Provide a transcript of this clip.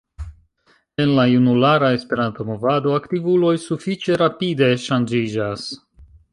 En la junulara Esperanto-movado aktivuloj sufiĉe rapide ŝanĝiĝas.